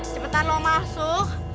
cepetan lu masuk